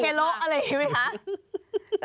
เคโระอะไรแบบนี้ไหมคะ